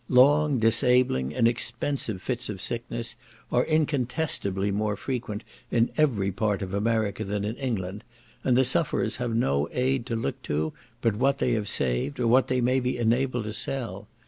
Long, disabling, and expensive fits of sickness are incontestably more frequent in every part of America, than in England, and the sufferers have no aid to look to, but what they have saved, or what they may be enabled to sell.